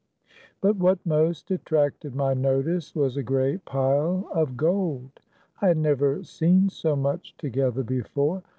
But what most attracted my notice was a great pile of gold. I had never seen so much together before.